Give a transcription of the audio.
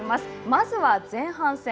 まずは前半戦。